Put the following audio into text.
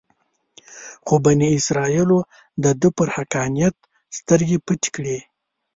خو بني اسرایلو دده پر حقانیت سترګې پټې کړې.